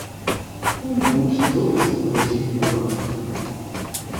Nun gut, so ist Politik nun mal.